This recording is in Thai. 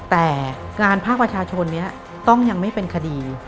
แต่งานภาคประชาชนนี้ต้องยังไม่เป็นคดี